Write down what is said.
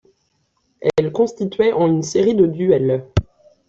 Elle consistait en une série de duels.